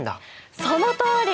そのとおり！